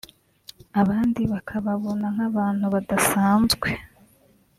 abandi bakababona nk’abantu badasanzwe